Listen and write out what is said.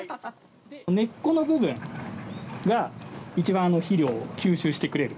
根っこの部分が一番肥料を吸収してくれる。